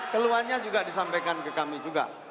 keluhannya juga disampaikan ke kami juga